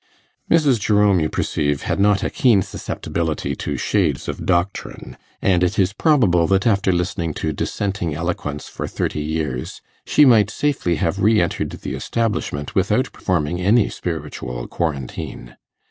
Mrs. Jerome, you perceive, had not a keen susceptibility to shades of doctrine, and it is probable that, after listening to Dissenting eloquence for thirty years, she might safely have re entered the Establishment without performing any spiritual quarantine.